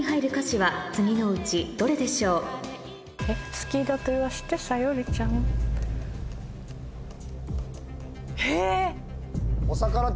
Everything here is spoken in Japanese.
好きだとイワシてサヨリちゃんえ！